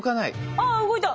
ああ動いた。